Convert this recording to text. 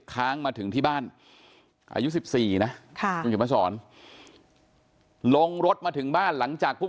ค้างมาถึงที่บ้านอายุ๑๔นะค่ะลงรถมาถึงบ้านหลังจากผู้